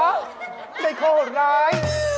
ความกินงู